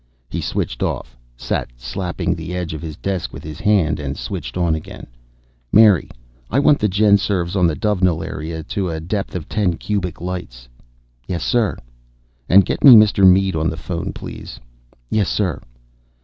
He switched off, sat slapping the edge of his desk with his hand, and switched on again. "Mary, I want the GenSurvs on the Dovenil area to a depth of ten cubic lights." "Yes, sir." "And get me Mr. Mead on the phone, please." "Yes, sir."